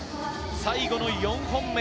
最後の４本目。